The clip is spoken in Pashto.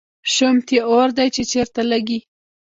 شومت یې اور دی، چې چېرته لګي